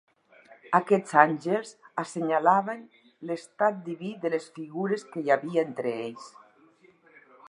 Aquests àngels assenyalaven l'estat diví de les figures que hi havia entre ells.